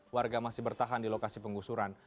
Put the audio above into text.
warga masih bertahan di lokasi penggusuran